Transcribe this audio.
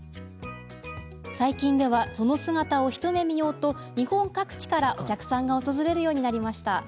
最近では、その姿を一目見ようと日本各地から、お客さんが訪れるようになりました。